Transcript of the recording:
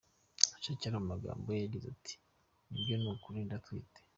Shakira mu magambo ye yagize ati “Nibyo ni ukuri ndatwite.